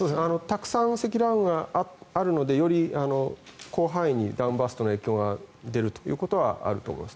たくさん積乱雲があるのでより広範囲にダウンバーストの影響が出るということはあると思います。